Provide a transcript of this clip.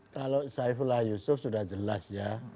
kalau saifullah yusuf sudah jelas ya